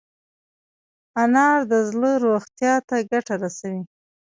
انار د زړه روغتیا ته ګټه رسوي.